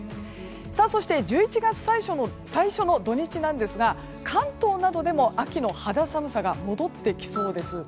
そして１１月最初の土日ですが関東などでも秋の肌寒さが戻ってきそうです。